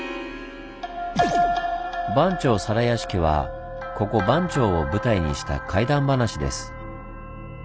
「番町皿屋敷」はここ番町を舞台にした怪談話です。